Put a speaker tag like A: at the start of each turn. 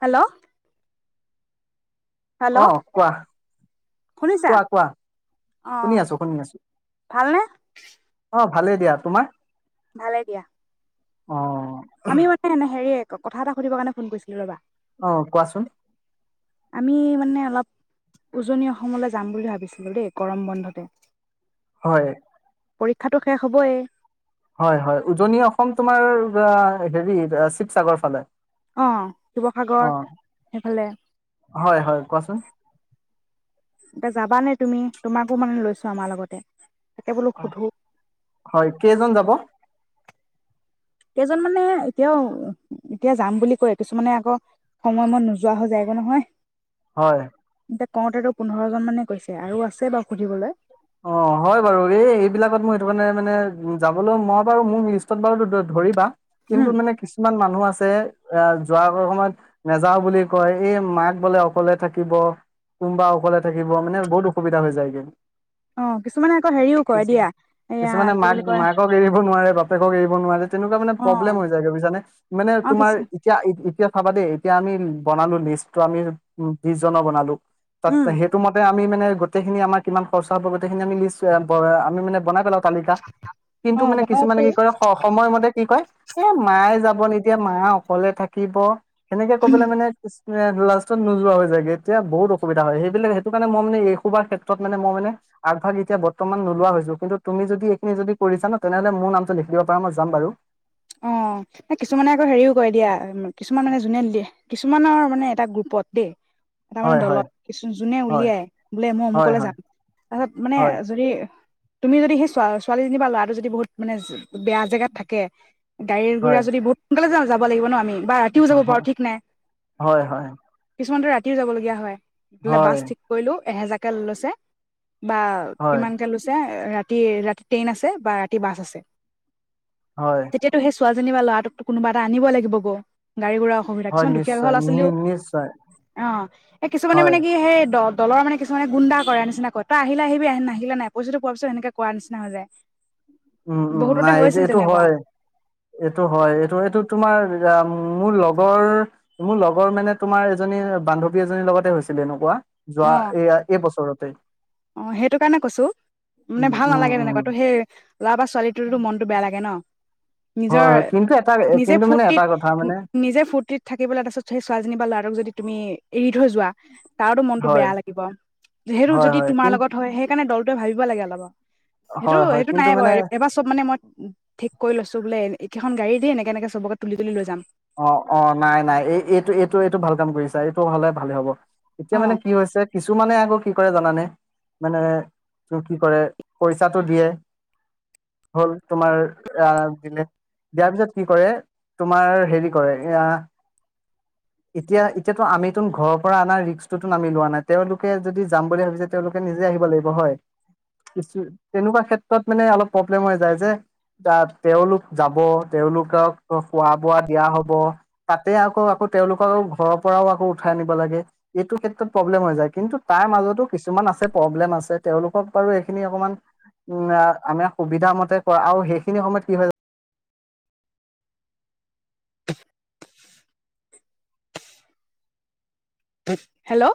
A: Hello hello
B: অ কোৱা
A: শুনিছা
B: কোৱা কোৱা
A: অঁ
B: শুনি আছো শুনি আছো
A: ভালনে
B: অ ভালে দিয়া তোমাৰ
A: ভালে দিয়া
B: অ'
A: আমি মানে এনে হেৰি কথা এটা সুধিব কাৰণে ফোন কৰিছিলো ৰ'বা।
B: অ' কোৱাচোন?
A: আমি মানে অলপ, উজনি অসমলৈ যাম বুলি ভাবিছিলো দেই গৰম বন্ধতে।
B: হয়
A: পৰীক্ষটো শেষ হবইে
B: হয় হয় উজনি অসম তোমাৰ হেৰি শিৱসাগৰ ফালে
A: অ'
B: অ
A: শিৱসাগৰ সেইফালে
B: হয় হয় কোৱাচোন
A: এতিয়া যাবা নে তুমি তোমাকো মানে লৈছো আমাৰ লগতে। তাকে বোলো সোধো
B: অ' হয় কেইজন যাব?
A: কেইজন মানে এতিয়াও এতিয়া যাম বুলি কয় কিছুমানে আকৌ সময়মত নোযোৱা হৈ যায়গ নহয়।
B: হয়।
A: এয়া কওঁতেতো পোন্ধৰজন মানে কৈছে আৰু আছে বাৰু সুধিবলৈ।
B: অ' হয় বাৰু এই এইবিলাকত মুৰ এটো কাৰণে মানে যাবলৈ মই বাৰু মুক লিষ্টত বাৰু ধৰিবা।
A: উম
B: কিন্তু মানে কিছুমান মানুহ আছে তে যোৱা সময়ত নাযাও বুলি কয় এই মাক বোলে অকলে থাকিব কোনোবা অকলে থাকিব মানে বহুত অসুবিধা হৈ যায় গে।
A: অ' কিছুমানে আকৌ হেৰিও কৰেয় দিয়া এয়া কি বুলি কয়
B: তেক এৰিব নোৱাৰে তেনেকুৱা মানে
A: অ
B: প্ৰব্লেম হৈ যায়গৈ বুজছানে মানে
A: অ
B: তোমাৰ
A: কিছু
B: এতিয়া এতিয়া চাবা দেই এতিয়া আমি বনালো লিষ্টটো আমি বিশছজনৰ বনালো। তাত
A: উম
B: সেইটো মতে আমি মানে গোটেইখিনি আমাৰ কিমান খচাকৈ গোটেইখিনি লিস্ত বনা আমি মনে বনাই পেলাও। তালিকা
A: অ
B: কিন্তু মানে
A: বনাব
B: কিছুমানে
A: পাৰি
B: কি ক সময়মতে কি কয় এ মায়ে যাব নিদিয়ে মা অকলে থাকিব সনেকে কবলে মানে লাষ্টত নোযোৱা হৈজয়গে এতিয়া বহুত অসুবিধা হয় সেইবিলাক সেইটো কাৰণে মই মানে এইসোবা ক্ষেত্ৰত মানে মই মানে আগভাগ এতিয়া বৰ্তমান নোলোৱা হৈছো কিন্তু তুমি যদি এইখিনি যদি কৰিছা ন তেনেহ'লে মোৰ নামটো লিখ দিব পাৰা মই যাম বাৰু।
A: অ' কিছুমানে আকৌ হেৰিও কৰে দিয়া। কিছুমান মানে যোনে দিয়ে কিছুমানৰ মানে এটা গ্ৰুপত দেই। এটা মানে
B: হয় হয়
A: দলত কিছু যোনে
B: হয়
A: উলিয়াই বোলে মই
B: হয়
A: অমুকলৈ
B: হয়
A: যাম তাৰপিছত মানে
B: হয়
A: যদি তুমি যদি সেই ছোৱালীজনী বা ল'ৰাটো যদি বহুত মানে বেয়া জেগাত থাকে গৰি, গুৰা
B: হয়
A: যদি বুৰ খুনকলে যওঁ যাব লাগিব ন আমি? বা ৰাতিও যাব পাৰো ঠিক নাই
B: হয় হয়
A: কিছুমান টো ৰাতি ৰাতিও যাবলগীয়া হয়। ফালে বাছ
B: হয়
A: ঠিক কৰিলো এহেজাৰ কেললছে বা
B: হয়
A: কিমানকে লৈছে ৰাতি? তি ৰাতি ট্ৰেইন আছে, বা ৰাতি বাছ আছে।
B: হয়
A: তেতিয়াটো সেই ছোৱালী যেনিবা ল'ৰাটোকতো কোনোবা এটা আনিব লাগিব গ'। গাড়ী ঘুৰা অসুবিধা।
B: হয়
A: কিছুমান দুখীয়া ঘৰৰ
B: নিশ্চয়
A: ল'ৰা
B: নি
A: ছোৱালীও,
B: নিশ্চয়
A: অহ। এই কিছুমানে
B: হয়
A: মানে কি সেই দ- দলৰ মানে কিছুমানে গুন্ডা কৰা নিচিনা কয়। তই আহিলে আহিবি আহি নাহিলে নাই। পইচাটো পোৱাৰ পিছত এনেকে কৰোৱাৰ নিচিনা হৈ যায়।
B: উম উম,
A: বহুততে
B: নাই, এইটো
A: হৈছিল
B: এইটো
A: তেনেকুৱা
B: হয়। এইটো হয়, এইটো এইটো, তোমাৰ ৰা ম মোৰ লগৰ, মোৰ লগৰ মানে তোমাৰ এজনী, বান্ধৱী এজনীৰ লগতে হৈছিলে এনেকুৱা। যোৱা এয়া এই বছৰতে।
A: অহ, সেইটো কাৰণে কৈছোঁ, মানে
B: উম
A: ভাল
B: উম
A: নালাগে
B: উম
A: তেনেকুৱ তো সেই- ল'ৰা বা ছোৱালীটোৰো মনটো বেয়া লাগে। ন
B: হয়
A: নিজৰ,
B: হয় কিন্তু এটা
A: নিজে
B: কিন্তু মানে
A: ফূুৰ্তিত,
B: এটা কথা
A: নি
B: মানে
A: নিজে ফূুৰ্তিত থাকিবলৈ তাৰ পিছত সেই ছোৱালীজনী বা ল'ৰাটোক যদি তুমি- এৰি থৈ যোৱা। তাৰটো মনতটো
B: হয়
A: বেয়া লাগিব। সেইটো
B: হয়
A: যদি-
B: হয়
A: তোমাৰ
B: কিন
A: লগত হয়, সেইকাৰণে দল। ত ভাবিব লাগে অলাব। সেইটো,
B: হয় হয়
A: সেইটো নাই
B: কিন্তু মানে
A: এবাৰ চব মানে মই ঠিক কৰি লৈছোঁ বোলে- এইকেখন গাড়ী দি, এনেকে এনেকে চবকে তুলি তুলি লৈ যাম।
B: অ অ, নাই নাই, এই এইটো এইটো এইটো, ভাল কাম কৰিছা। এইটো হ'লে ভালে হ'ব।
A: অ
B: এতিয়া মানে কি হৈছে, কিছুমানে আকৌ কি। কি কৰে জানে? মানে কি কৰে, পইচাটো দিয়ে, হ'ল‌, তোমাৰ আ দিলে, দিয়াৰ পিছত কি কৰে, তোমাৰ- হেৰি কৰে, এয়া- এতিয়া এতিয়াতো আমিতোন ঘৰৰ পৰা অনা ৰিস্কটোতোন আমি লোৱা নাই। তেওঁলোকে যদি যাম বুলি ভাবিছে তেওঁলোকে নিজে আহিব লাগিব হয়। কিছু তেনেকুৱা ক্ষেত্ৰত মানে অলপ প্ৰব্লেম হৈ যায় যে, জা তেওঁলোক যাব তেওঁলোকক খোৱা-বোৱা দিয়া হ'ব, তাতে আকৌ আকৌ- তেওঁলোকক আৰু ঘৰৰ পৰাও আকৌ উঠাই আনিব লাগে, এইটো ক্ষেত্ৰত প্ৰব্লেম হৈ যায়। কিন্তু তাৰ মাজতো কিছুমান আছে প্ৰব্লেম আছে, তেওঁলোকক বাৰু এইখিনি অকমান উম আ আমি সুবিধা মতে কৰা আৰু সেইখিনি সময়ত কি হয়-
A: [unintelligible] [unintelligible] হেল্ল'